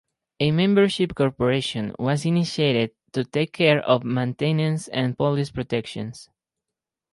A membership corporation was initiated to take care of maintenance and police protection.